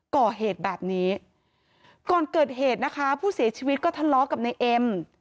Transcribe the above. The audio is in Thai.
ก่อเหตุแบบนี้ก่อนเกิดเหตุนะคะผู้เสียชีวิตก็ทะเลาะกับนายเอ็ม